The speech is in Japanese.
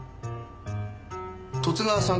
十津川さん